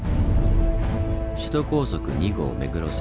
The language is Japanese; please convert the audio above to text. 首都高速２号目黒線。